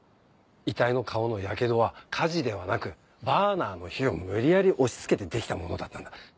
遺体の顔のヤケドは火事ではなくバーナーの火を無理やり押し付けて出来たものだったんだ。